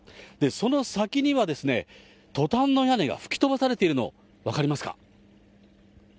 その先には、トタンの屋根が吹き飛ばされているの、分かりますか？